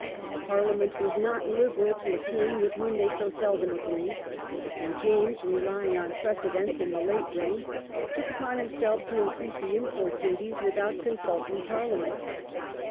Parliament was not liberal to a king with whom they so seldom agreed, and James, relying on precedents in the late reign, took upon himself to increase the import duties without consulting Parliament.